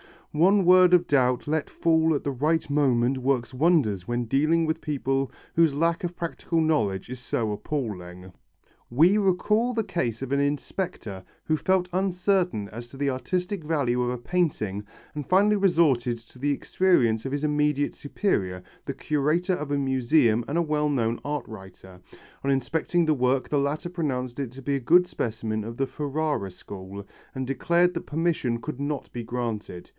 One word of doubt let fall at the right moment works wonders when dealing with people whose lack of practical knowledge is so appalling. We recall the case of an inspector who felt uncertain as to the artistic value of a painting and finally resorted to the experience of his immediate superior, the curator of a museum and a well known art writer. On examining the work the latter pronounced it to be a good specimen of the Ferrara school, and declared that permission could not be granted.